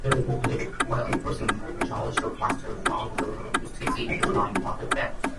While in prison, George requests a furlough to see his dying father, Fred.